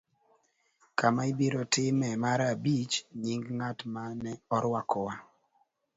Kama ibiro timee mar abich. Nying ' ng'at ma ne orwakowa